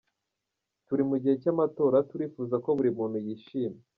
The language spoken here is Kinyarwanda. Turi mu gihe cy’amatora, turifuza ko buri muntu yishima.